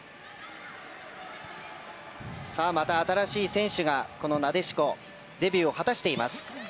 また新しい選手がなでしこデビューを果たしています。